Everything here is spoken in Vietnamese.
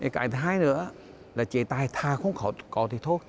cái thứ hai nữa là chế tài thà không có thì thôi